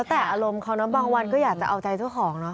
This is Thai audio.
แต่อารมณ์เขาบางวันก็อยากจะเอาใจทุกของ